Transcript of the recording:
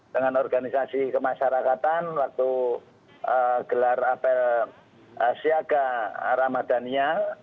dengan organisasi kemasyarakatan waktu gelar apel siaga ramadhania